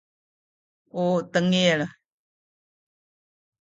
u tengil